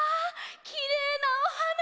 きれいなおはな！